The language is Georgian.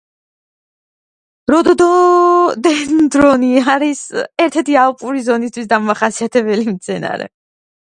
როდოდენდრონი არის ერთ-ერთი ალპური ზონისთვის დამახასიათებელი მცენარე.